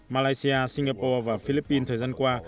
malaysia singapore và philippines thời gian qua